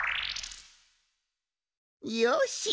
よし！